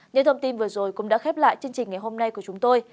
những thông tin vừa rồi cũng đã khép lại chương trình ngày hôm nay của chúng tôi